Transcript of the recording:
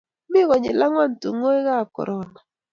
mi konyil ang'wan tongoikab korona